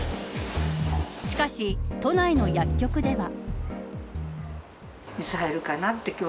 しかし、都内の薬局では。